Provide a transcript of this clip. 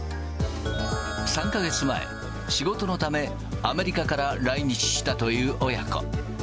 ３か月前、仕事のためアメリカから来日したという親子。